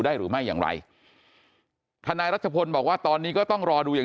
หรือไม่อย่างไรทนายรัชพลบอกว่าตอนนี้ก็ต้องรอดูอย่าง